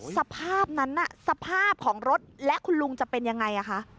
สภาพนั้นน่ะสภาพของรถและคุณลุงจะเป็นยังไงคะ